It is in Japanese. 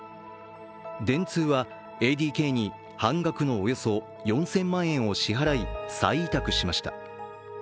電通はＡＤＫに半額のおよそ４０００万円を支払い再委託しました。